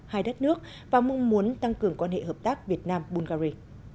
hai đất nước và mong muốn tăng cường quan hệ hợp tác việt nam bungary